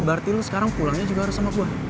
berarti lo sekarang pulangnya juga harus sama gue